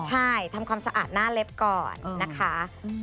ใช่ทำความสะอาดหน้าเล็บก่อนนะคะ